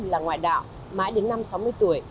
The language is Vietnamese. là ngoại đạo mãi đến năm sáu mươi tuổi